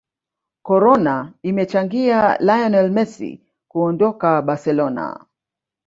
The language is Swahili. corona imechangia lionel messi kuondoka barcelona